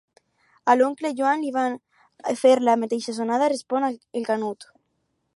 A l'oncle Joan li va fer la mateixa sonada, respon el Canut.